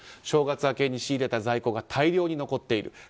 正月明けに仕入れた在庫が大量に残っている。